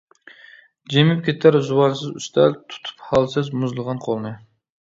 جىمىپ كېتەر زۇۋانسىز ئۈستەل، تۇتۇپ ھالسىز، مۇزلىغان قولنى.